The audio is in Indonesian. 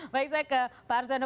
baik saya ke pak arsono